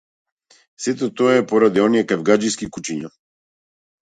Сето тоа е поради оние кавгаџиски кучиња.